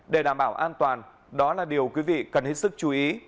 để đảm bảo an toàn đó là điều quý vị cần hết sức chú ý